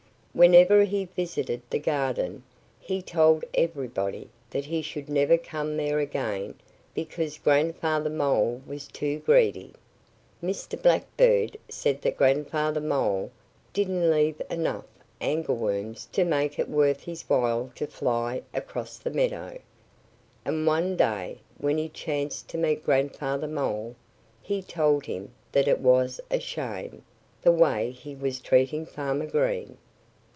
Whenever he visited the garden he told everybody that he should never come there again because Grandfather Mole was too greedy. Mr. Blackbird said that Grandfather Mole didn't leave enough angleworms to make it worth his while to fly across the meadow. And one day when he chanced to meet Grandfather Mole he told him that it was a shame, the way he was treating Farmer Green.